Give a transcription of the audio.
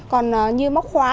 còn như móc khóa